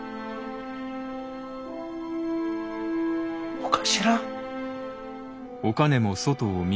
お頭？